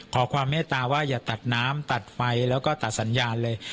ขอความเมตตาว่าอย่าตัดน้ำตัดไฟแล้วก็ตัดสัญญาณเลย